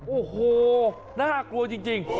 โอ้โหน่ากลัวจริง